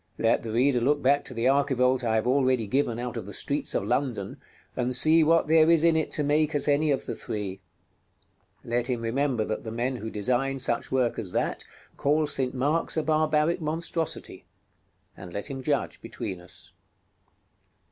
Let the reader look back to the archivolt I have already given out of the streets of London (Plate XIII. Vol. I.), and see what there is in it to make us any of the three. Let him remember that the men who design such work as that call St. Mark's a barbaric monstrosity, and let him judge between us.